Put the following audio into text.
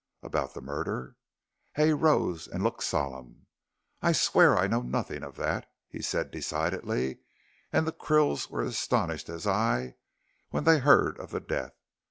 "About the murder?" Hay rose and looked solemn. "I swear I know nothing of that," he said decidedly, "and the Krills were as astonished as I, when they heard of the death.